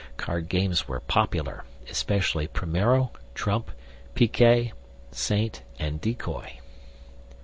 Card games were popular, especially primero, trump, piquet, saint, and decoy.